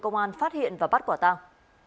công an phát hiện và bắt quả tăng